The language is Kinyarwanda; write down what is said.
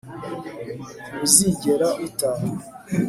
ntibuzigere butaha